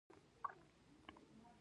ایا زه اش وخورم؟